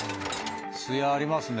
艶ありますね。